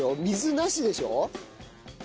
水なしでしょ。